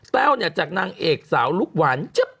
แต้วเนี่ยจากนางเอกสาวลูกหวาน